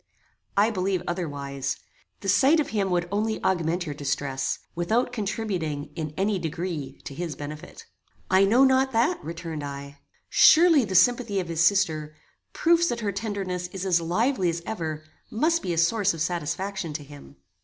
"I believe otherwise. The sight of him would only augment your distress, without contributing, in any degree, to his benefit." "I know not that," returned I. "Surely the sympathy of his sister, proofs that her tenderness is as lively as ever, must be a source of satisfaction to him.